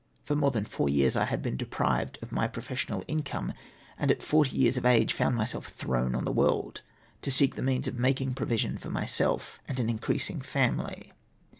For more than four years I had been deprived of my professional mcome, and at forty years of age found myself thrown on tlie world to seek the means of making provision for myself and an increasing family.